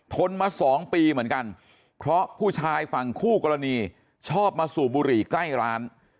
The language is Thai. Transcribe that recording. ทนมา๒ปีเหมือนกันเพราะผู้ชายฝั่งคู่กรณีชอบมาสูบบุหรี่ใกล้ร้าน